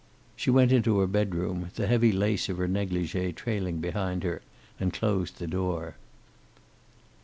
She went into her bedroom, the heavy lace of her negligee trailing behind her, and closed the door.